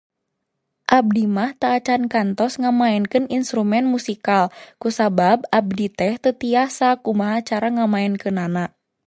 Abdi mah teu acan kantos ngamaenkeun iinstrumen musikal, kusabab abdi teh teu tiasa kumaha cara ngamaenkeunana.